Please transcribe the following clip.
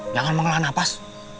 jangan mengelola nafas